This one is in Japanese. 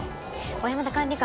小山田管理官